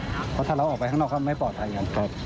เพราะถ้าเราออกไปข้างนอกก็ไม่ปลอดภัยอย่างนั้นครับ